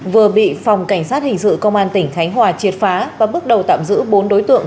vừa bị phòng cảnh sát hình sự công an tỉnh khánh hòa triệt phá và bước đầu tạm giữ bốn đối tượng